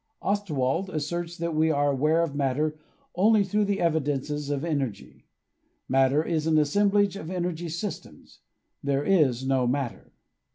Ostwald asserts that we are aware of matter only through the evidences of energy. Matter is an assemblage of energy systems ; there is no matter.